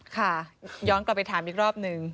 ค่ะย้อนกลับไปถามอีกรอบหนึ่ง